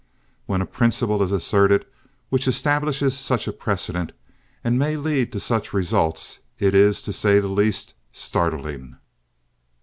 When a principle is asserted which establishes such a precedent, and may lead to such results, it is, to say the least, startling."